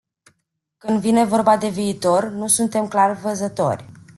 Când vine vorba de viitor, nu suntem clarvăzători.